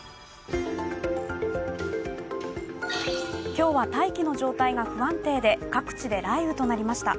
今日は大気の状態が不安定で各地で雷雨となりました。